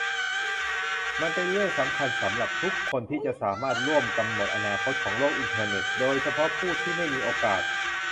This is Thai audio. มันเป็นเรื่องสำคัญสำหรับทุกคนที่จะสามารถร่วมกำหนดอนาคตของโลกอินเทอร์เน็ต โดยเฉพาะผู้ที่ไม่มีโอกาส